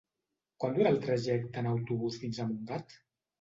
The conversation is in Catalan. Quant dura el trajecte en autobús fins a Montgat?